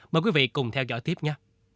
mời quý vị cùng theo dõi tiếp nhé